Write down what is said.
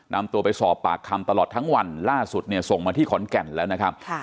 นำตัวไปสอบปากคำตลอดทั้งวันล่าสุดเนี่ยส่งมาที่ขอนแก่นแล้วนะครับ